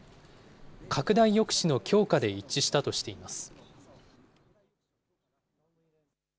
拡大抑止の強化で一致したとしています。